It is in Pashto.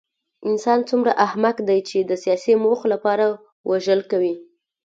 انسان څومره احمق دی چې د سیاسي موخو لپاره وژل کوي